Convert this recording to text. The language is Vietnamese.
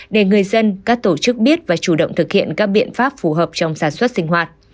để người dân các tổ chức biết và chủ động thực hiện các biện pháp phù hợp trong sản xuất sinh hoạt